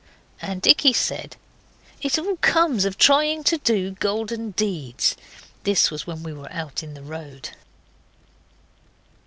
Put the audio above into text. And Dicky said, 'It all comes of trying to do golden deeds.' This was when we were out in the road.